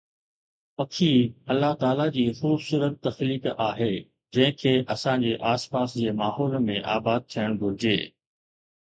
پکي الله تعاليٰ جي خوبصورت تخليق آهي، جنهن کي اسان جي آس پاس جي ماحول ۾ آباد ٿيڻ گهرجي